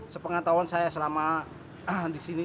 sepengah tahun saya selama di sini